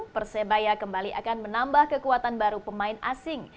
persebaya kembali akan menambah kekuatan baru pemain asing